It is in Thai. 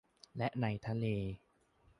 และในทะเล